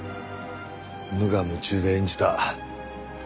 無我夢中で演じた。